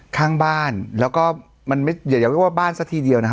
ข้างบ้านแล้วก็มันไม่อย่าเรียกว่าบ้านซะทีเดียวนะฮะ